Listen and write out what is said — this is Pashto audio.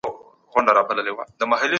څېړنه باید په ټاکلو معیارونو ترسره سي.